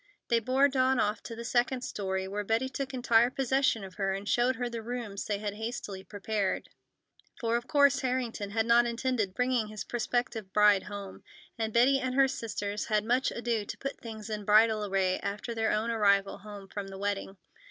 They bore Dawn off to the second story, where Betty took entire possession of her and showed her the rooms they had hastily prepared; for of course Harrington had not intended bringing his prospective bride home, and Betty and her sisters had had much ado to put things in bridal array after their own arrival home from the wedding.